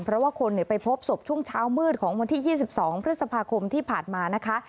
เพราะว่าคนไปพบศพช่วงเช้ามืดของวันที่๒๒พฤษภาคมที่ผ่านมานะคะ